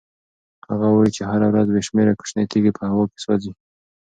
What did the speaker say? هغه وایي چې هره ورځ بې شمېره کوچنۍ تېږې په هوا کې سوځي.